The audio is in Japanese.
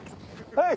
はい！